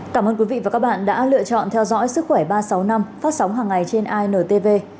cảm ơn quý vị và các bạn đã lựa chọn theo dõi sức khỏe ba trăm sáu mươi năm phát sóng hàng ngày trên intv